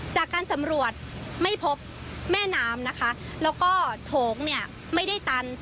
จากการสำรวจไม่พบแม่น้ำนะคะแล้วก็โถงเนี่ยไม่ได้ตัน